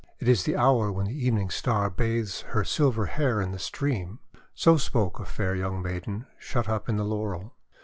It is the hour when the Even ing Star bathes her silver hair in the stream." So spoke a fair young maiden shut up in the Laurel.